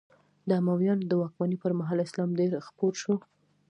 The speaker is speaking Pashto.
د امویانو د واکمنۍ پر مهال اسلام ډېر خپور شو.